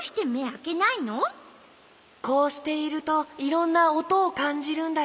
こうしているといろんなおとをかんじるんだよ。